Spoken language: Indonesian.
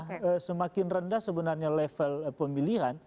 tapi di left semakin rendah sebenarnya level pemilihan